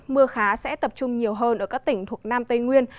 mưa khá sẽ tập trung nhiều hơn ở các tỉnh thuộc nam tây nguyên